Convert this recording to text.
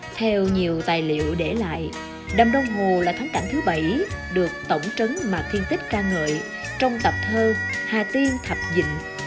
theo nhiều tài liệu để lại đầm đông hồ là thắng cảnh thứ bảy được tổng trấn mạc thiên tích ca ngợi trong tập thơ hà tiên thập dịnh